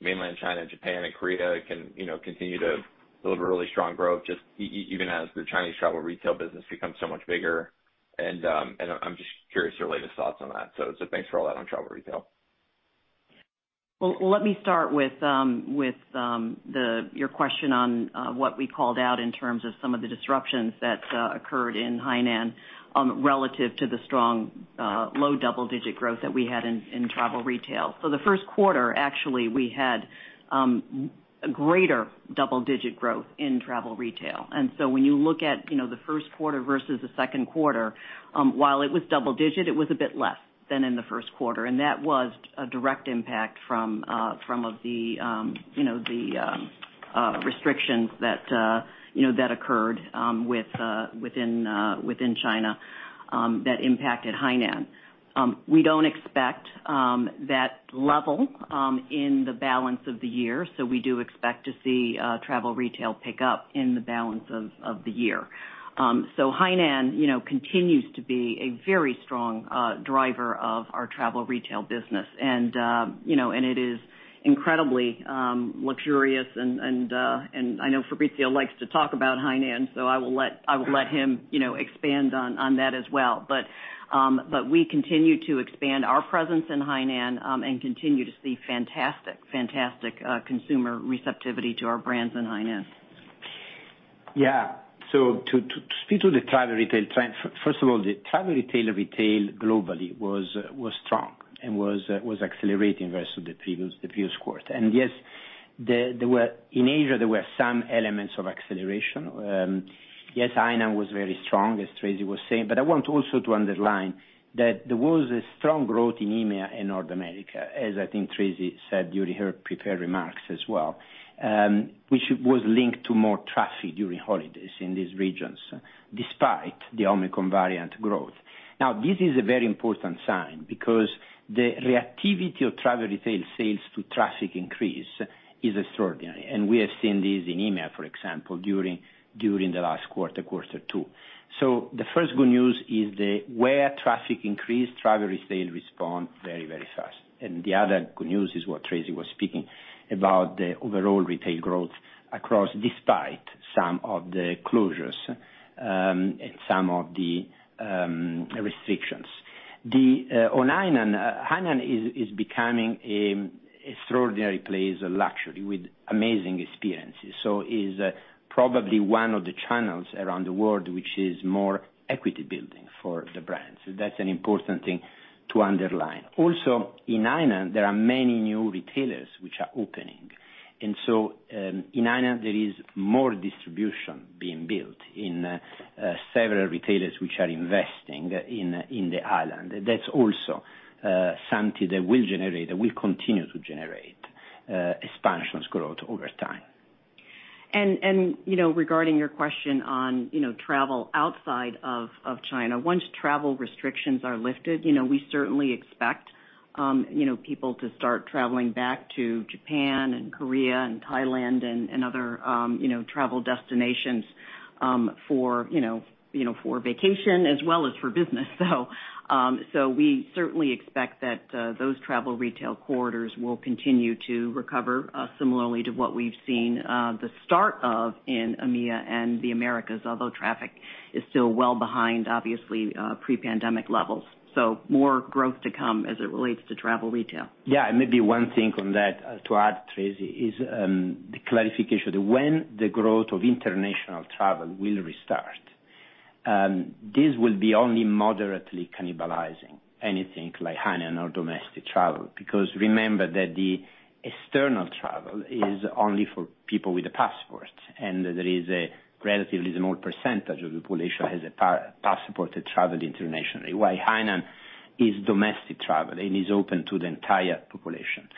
Mainland China, Japan and Korea can, you know, continue to build really strong growth just even as the Chinese travel retail business becomes so much bigger. I'm just curious your latest thoughts on that. Thanks for all that on travel retail. Well, let me start with your question on what we called out in terms of some of the disruptions that occurred in Hainan relative to the strong low double-digit growth that we had in travel retail. In the first quarter, actually, we had greater double-digit growth in travel retail. When you look at, you know, the first quarter versus the second quarter, while it was double-digit, it was a bit less than in the first quarter. That was a direct impact from the, you know, restrictions that, you know, that occurred within China that impacted Hainan. We don't expect that level in the balance of the year, so we do expect to see travel retail pick up in the balance of the year. Hainan, you know, continues to be a very strong driver of our travel retail business. You know, and it is incredibly luxurious, and I know Fabrizio likes to talk about Hainan, so I will let him, you know, expand on that as well. We continue to expand our presence in Hainan and continue to see fantastic consumer receptivity to our brands in Hainan. Yeah. To speak to the travel retail trend, first of all, the travel retail globally was strong and was accelerating versus the previous quarter. Yes, there were some elements of acceleration in Asia. Yes, Hainan was very strong, as Tracey was saying. I want also to underline that there was a strong growth in EMEA and North America, as I think Tracey said during her prepared remarks as well, which was linked to more traffic during holidays in these regions, despite the Omicron variant growth. Now, this is a very important sign because the reactivity of travel retail sales to traffic increase is extraordinary, and we have seen this in EMEA, for example, during the last quarter two. The first good news is that where traffic increased, travel retail respond very, very fast. The other good news is what Tracey was speaking about the overall retail growth across, despite some of the closures and some of the restrictions. Hainan is becoming an extraordinary place of luxury with amazing experiences. It is probably one of the channels around the world which is more equity building for the brand. That's an important thing to underline. Also, in Hainan, there are many new retailers which are opening. In Hainan, there is more distribution being built in several retailers which are investing in the island. That's also something that will continue to generate expansion growth over time. Regarding your question on travel outside of China, once travel restrictions are lifted, you know, we certainly expect people to start traveling back to Japan and Korea and Thailand and other travel destinations for vacation as well as for business. We certainly expect that those travel retail corridors will continue to recover similarly to what we've seen, the start of in EMEA and the Americas, although traffic is still well behind, obviously, pre-pandemic levels. More growth to come as it relates to travel retail. Yeah. Maybe one thing on that to add, Tracey, is the clarification that when the growth of international travel will restart, this will be only moderately cannibalizing anything like Hainan or domestic travel, because remember that the external travel is only for people with a passport, and there is a relatively small percentage of the population has a passport to travel internationally. While Hainan is domestic travel and is open to the entire population.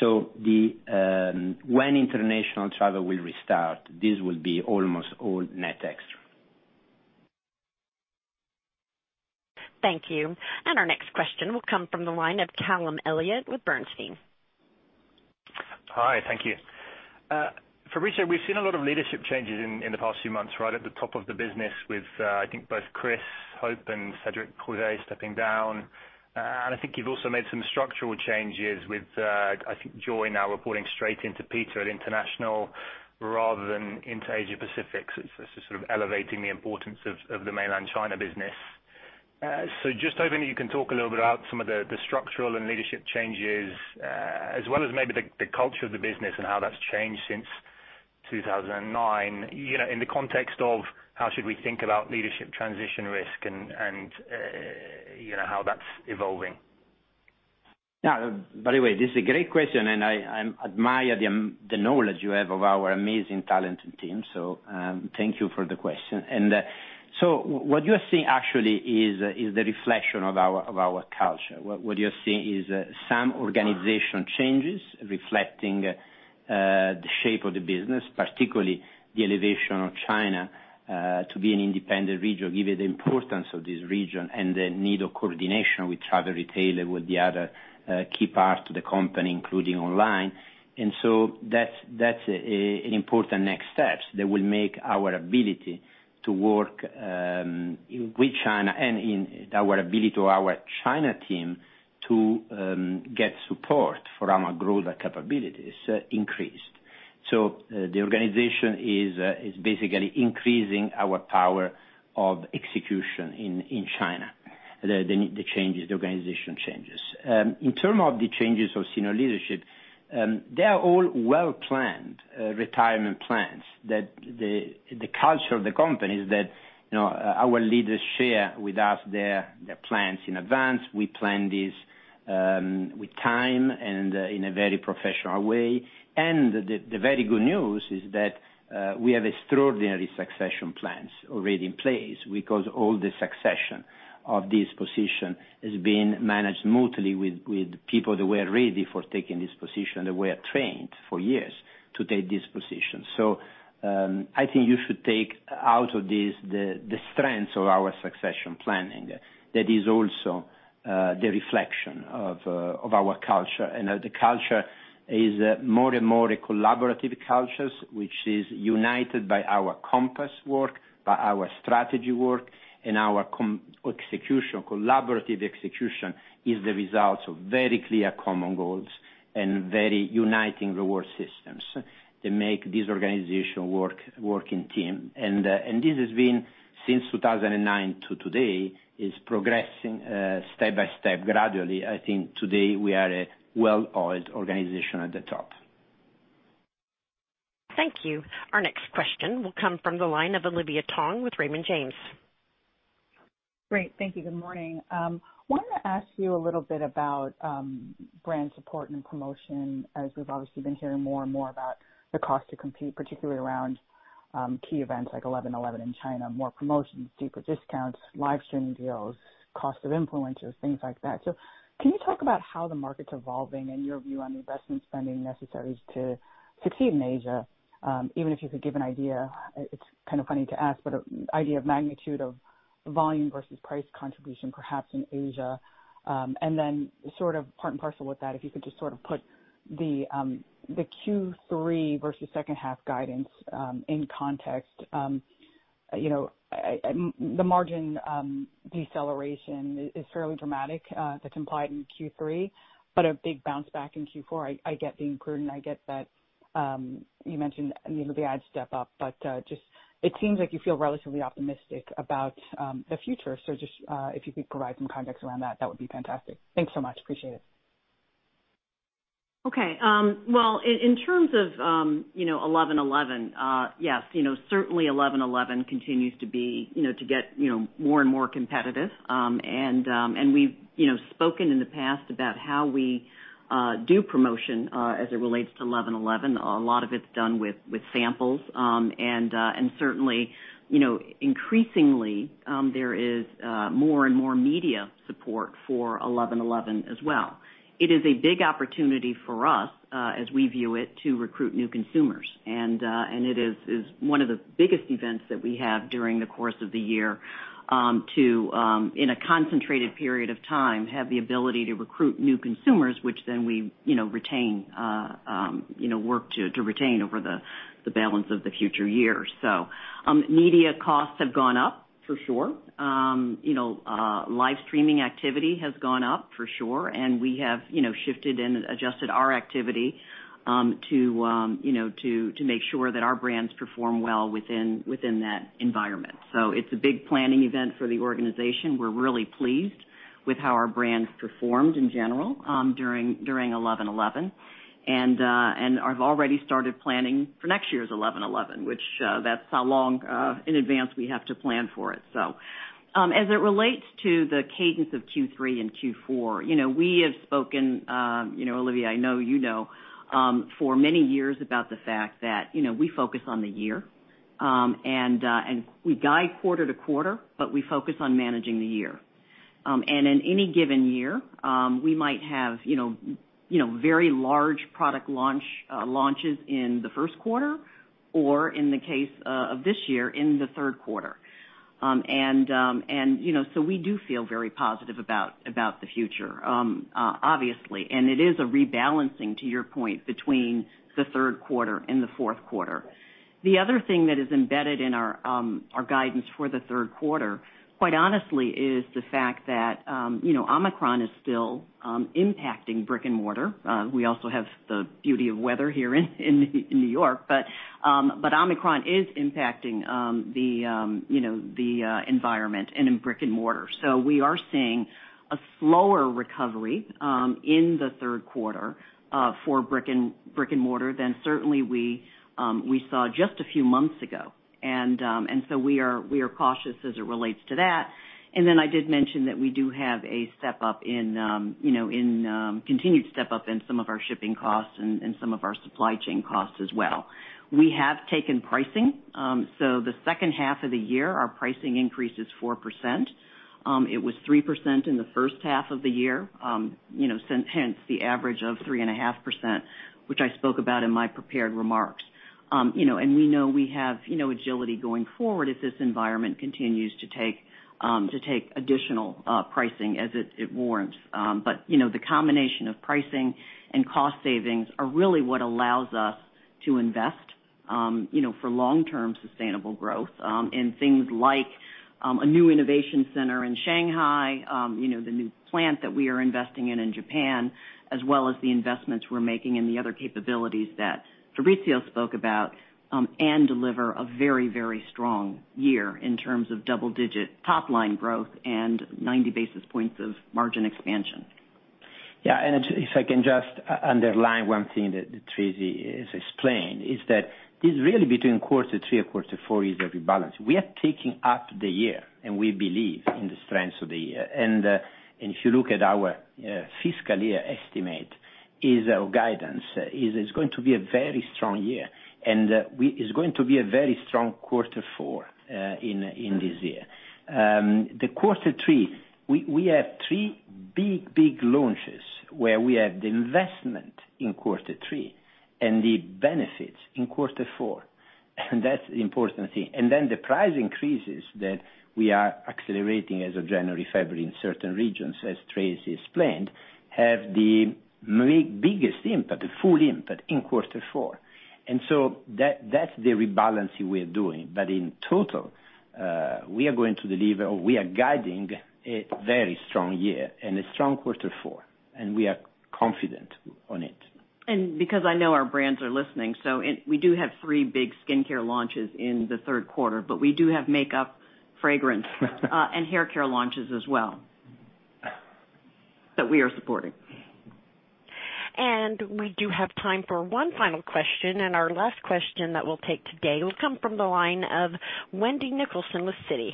When international travel will restart, this will be almost all net extra. Thank you. Our next question will come from the line of Callum Elliott with Bernstein. Hi. Thank you. Fabrizio, we've seen a lot of leadership changes in the past few months, right at the top of the business with, I think both Chris Hope and Cedric Pouzet stepping down. I think you've also made some structural changes with, I think Joy now reporting straight into Peter at International rather than into Asia Pacific. It's sort of elevating the importance of the Mainland China business. Just hoping that you can talk a little bit about some of the structural and leadership changes, as well as maybe the culture of the business and how that's changed since 2009, you know, in the context of how should we think about leadership transition risk and you know, how that's evolving? Yeah. By the way, this is a great question, and I admire the knowledge you have of our amazing, talented team. Thank you for the question. What you're seeing actually is the reflection of our culture. What you're seeing is some organizational changes reflecting the shape of the business, particularly the elevation of China to be an independent region, given the importance of this region and the need of coordination with travel retail, with the other key parts of the company, including online. That's an important next steps that will make our ability to work with China and increase our ability for our China team to get support for our growth capabilities increased. The organization is basically increasing our power of execution in China. The need, the changes, the organizational changes. In terms of the changes of senior leadership, they are all well-planned retirement plans that the culture of the company is that, you know, our leaders share with us their plans in advance. We plan this with time and in a very professional way. The very good news is that we have extraordinary succession plans already in place because all the succession of this position has been managed smoothly with people that were ready for taking this position, that were trained for years to take this position. I think you should take out of this the strengths of our succession planning. That is also the reflection of our culture. The culture is more and more a collaborative cultures, which is united by our compass work, by our strategy work, and our collaborative execution. Collaborative execution is the result of very clear common goals and very uniting reward systems to make this organization work, working team. This has been since 2009 to today, progressing step-by-step gradually. I think today we are a well-oiled organization at the top. Thank you. Our next question will come from the line of Olivia Tong with Raymond James. Great. Thank you. Good morning. Wanted to ask you a little bit about brand support and promotion as we've obviously been hearing more and more about the cost to compete, particularly around key events like 11.11 in China, more promotions, deeper discounts, live streaming deals, cost of influencers, things like that. Can you talk about how the market's evolving and your view on the investment spending necessary to keep in Asia? Even if you could give an idea, it's kind of funny to ask, but idea of magnitude of volume versus price contribution perhaps in Asia. And then sort of part and parcel with that, if you could just sort of put the Q3 versus second half guidance in context. You know, the margin deceleration is fairly dramatic, that's implied in Q3, but a big bounce back in Q4. I get the improvement. I get that, you mentioned the ad step up, but just it seems like you feel relatively optimistic about the future. Just if you could provide some context around that would be fantastic. Thanks so much. Appreciate it. Okay. Well, in terms of you know 11.11, yes, you know, certainly 11.11 continues to be getting more and more competitive. We've you know spoken in the past about how we do promotion as it relates to 11.11. A lot of it's done with samples. Certainly you know increasingly there is more and more media support for 11.11 as well. It is a big opportunity for us as we view it to recruit new consumers. It is one of the biggest events that we have during the course of the year, in a concentrated period of time, have the ability to recruit new consumers, which then we, you know, retain, you know, work to retain over the balance of the future years. Media costs have gone up for sure. You know, live streaming activity has gone up for sure, and we have, you know, shifted and adjusted our activity, to, you know, to make sure that our brands perform well within that environment. It's a big planning event for the organization. We're really pleased with how our brands performed in general, during 11.11. I've already started planning for next year's 11.11, which that's how long in advance we have to plan for it. As it relates to the cadence of Q3 and Q4, you know, we have spoken, you know, Olivia, I know you know, for many years about the fact that, you know, we focus on the year, and we guide quarter to quarter, but we focus on managing the year. In any given year, we might have, you know, very large product launches in the first quarter or in the case of this year, in the third quarter. We do feel very positive about the future, obviously. It is a rebalancing, to your point, between the third quarter and the fourth quarter. The other thing that is embedded in our guidance for the third quarter, quite honestly, is the fact that, you know, Omicron is still impacting brick-and-mortar. We also have the beauty of weather here in New York. But Omicron is impacting, you know, the environment and in brick-and-mortar. We are seeing a slower recovery in the third quarter for brick-and-mortar than certainly we saw just a few months ago. We are cautious as it relates to that. I did mention that we do have a step up in, you know, continued step up in some of our shipping costs and some of our supply chain costs as well. We have taken pricing, so the second half of the year, our pricing increase is 4%. It was 3% in the first half of the year, you know, hence the average of 3.5%, which I spoke about in my prepared remarks. You know, and we know we have, you know, agility going forward if this environment continues to take additional pricing as it warrants. You know, the combination of pricing and cost savings are really what allows us to invest, you know, for long-term sustainable growth, in things like a new innovation center in Shanghai, you know, the new plant that we are investing in Japan, as well as the investments we're making in the other capabilities that Fabrizio spoke about, and deliver a very, very strong year in terms of double-digit top-line growth and 90 basis points of margin expansion. Yeah. If I can just underline one thing that Tracey has explained, it's really between quarter three and quarter four overall balance. We are taking up the year, and we believe in the strengths of the year. If you look at our fiscal year estimate, our guidance is it's going to be a very strong year. It's going to be a very strong quarter four in this year. In quarter three, we have three big launches where we have the investment in quarter three and the benefits in quarter four. That's the important thing. The price increases that we are accelerating as of January, February in certain regions, as Tracey explained, have the biggest impact, the full impact in quarter four. That's the rebalancing we're doing. In total, we are going to deliver or we are guiding a very strong year and a strong quarter four, and we are confident on it. Because I know our brands are listening, we do have three big skincare launches in the third quarter, but we do have makeup, fragrance, and hair care launches as well, that we are supporting. We do have time for one final question, and our last question that we'll take today will come from the line of Wendy Nicholson of Citi.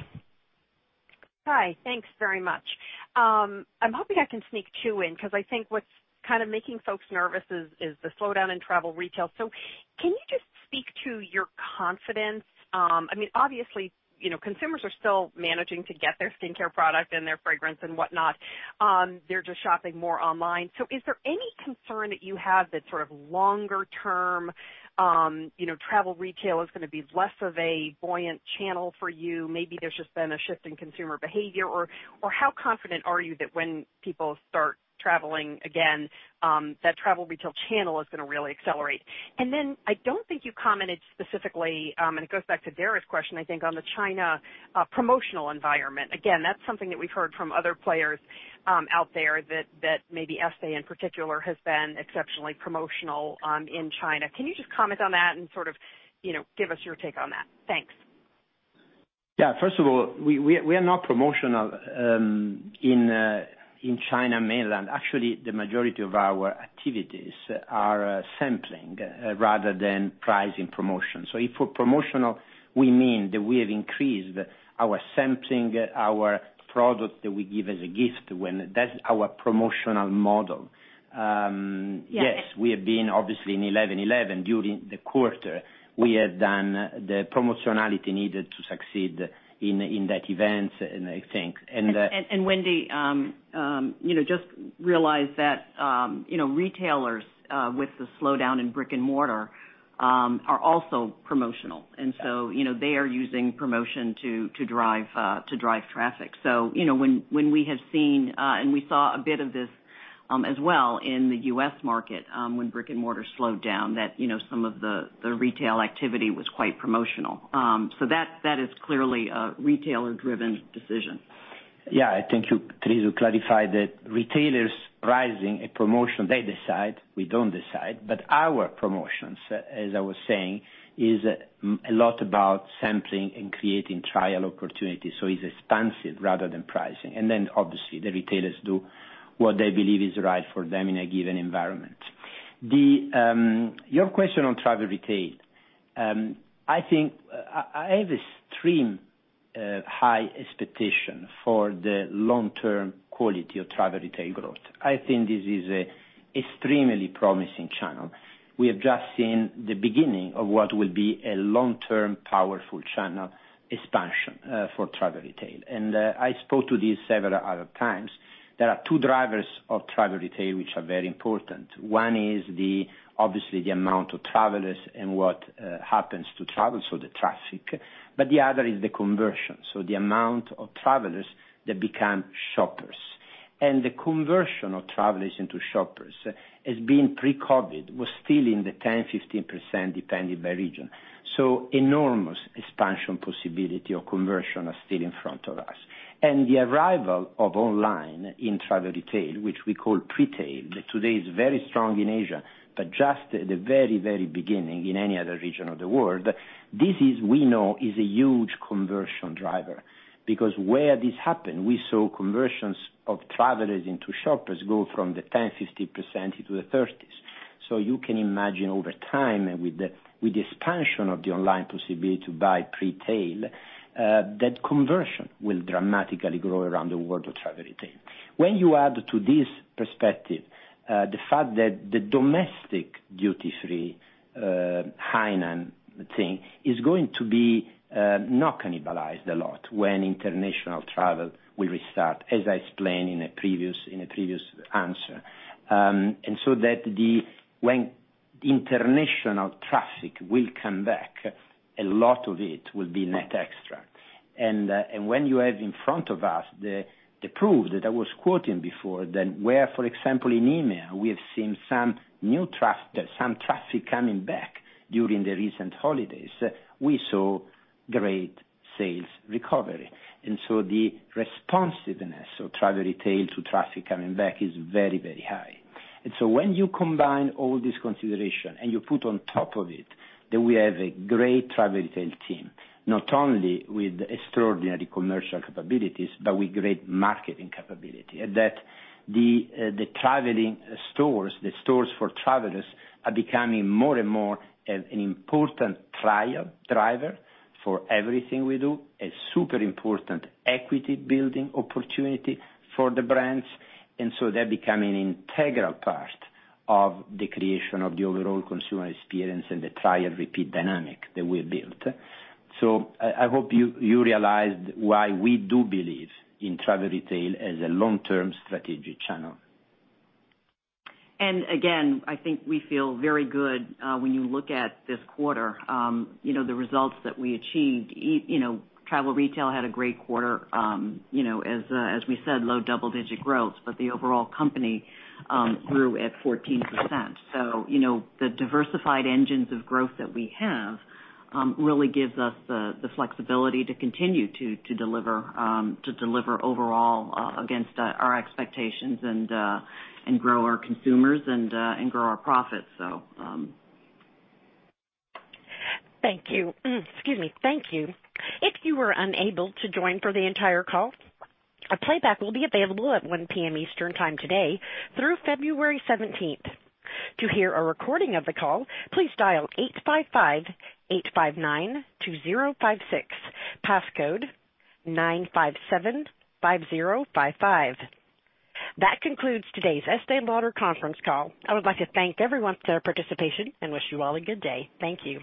Hi. Thanks very much. I'm hoping I can sneak two in, 'cause I think what's kind of making folks nervous is the slowdown in travel retail. Can you just speak to your confidence? I mean, obviously, you know, consumers are still managing to get their skincare product and their fragrance and whatnot, they're just shopping more online. Is there any concern that you have that sort of longer-term, you know, travel retail is gonna be less of a buoyant channel for you? Maybe there's just been a shift in consumer behavior or how confident are you that when people start traveling again, that travel retail channel is gonna really accelerate? I don't think you commented specifically, and it goes back to Dara's question, I think, on the China promotional environment. Again, that's something that we've heard from other players out there that maybe Estée Lauder in particular has been exceptionally promotional in China. Can you just comment on that and sort of, you know, give us your take on that? Thanks. Yeah. First of all, we are not promotional in mainland China. Actually, the majority of our activities are sampling rather than price promotion. If for promotional, we mean that we have increased our sampling, our product that we give as a gift when that's our promotional model. Yeah. Yes, we have been, obviously in 11.11 during the quarter, we have done the promotions needed to succeed in that event, and I think. Wendy, you know, retailers with the slowdown in brick-and-mortar are also promotional. You know, they are using promotion to drive traffic. You know, when we have seen and we saw a bit of this as well in the U.S. market, when brick-and-mortar slowed down, you know, some of the retail activity was quite promotional. That is clearly a retailer-driven decision. Yeah. I think you, Tracey, clarified that retailers pricing a promotion, they decide, we don't decide. Our promotions, as I was saying, is a lot about sampling and creating trial opportunities. It's expansive rather than pricing. Obviously, the retailers do what they believe is right for them in a given environment. To your question on travel retail, I think I have extremely high expectation for the long-term quality of travel retail growth. I think this is an extremely promising channel. We have just seen the beginning of what will be a long-term powerful channel expansion for travel retail. I spoke to this several other times. There are two drivers of travel retail which are very important. One is obviously the amount of travelers and what happens to travel, so the traffic, but the other is the conversion, so the amount of travelers that become shoppers. The conversion of travelers into shoppers pre-COVID was still in the 10, 15%, depending by region. Enormous expansion possibility or conversion are still in front of us. The arrival of online in travel retail, which we call pre-tail, today is very strong in Asia, but just at the very, very beginning in any other region of the world. This we know is a huge conversion driver because where this happened, we saw conversions of travelers into shoppers go from the 10, 15% to the 30s. You can imagine over time and with the expansion of the online possibility to buy pre-tail, that conversion will dramatically grow around the world of travel retail. When you add to this perspective, the fact that the domestic duty-free high-end thing is going to be not cannibalized a lot when international travel will restart, as I explained in a previous answer. When international traffic will come back, a lot of it will be net extra. And when you have in front of us the proof that I was quoting before, then, for example, in EMEA, we have seen some traffic coming back during the recent holidays, we saw great sales recovery. The responsiveness of travel retail to traffic coming back is very, very high. When you combine all this consideration and you put on top of it that we have a great travel retail team, not only with extraordinary commercial capabilities, but with great marketing capability, and that the traveling stores, the stores for travelers are becoming more and more an important trial driver for everything we do, a super important equity building opportunity for the brands. They're becoming an integral part of the creation of the overall consumer experience and the trial repeat dynamic that we built. I hope you realized why we do believe in travel retail as a long-term strategic channel. Again, I think we feel very good when you look at this quarter, you know, the results that we achieved. You know, travel retail had a great quarter, you know, as we said, low double-digit growth, but the overall company grew at 14%. You know, the diversified engines of growth that we have really gives us the flexibility to continue to deliver overall against our expectations and grow our consumers and grow our profits. Thank you. Excuse me. Thank you. If you were unable to join for the entire call, a playback will be available at 1 P.M. Eastern time today through February seventeenth. To hear a recording of the call, please dial 855-859-2056, passcode 9575055. That concludes today's Estée Lauder conference call. I would like to thank everyone for their participation and wish you all a good day. Thank you.